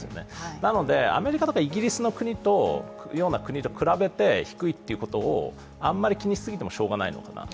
なのでアメリカとかイギリスのような国と比べて低いということをあまり気にしすぎてもしようがないのかなと。